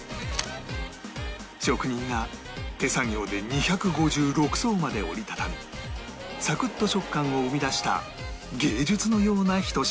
職人が手作業で２５６層まで折り畳みサクッと食感を生み出した芸術のようなひと品